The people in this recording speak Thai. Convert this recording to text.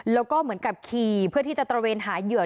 แล้วก็เหมือนกับขี่เพื่อที่จะตระเวนหาเหยื่อ